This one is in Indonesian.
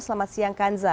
selamat siang kanza